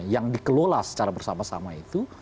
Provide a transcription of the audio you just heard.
yang dikelola secara bersama sama itu